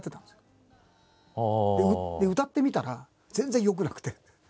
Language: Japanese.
で歌ってみたら全然よくなくて。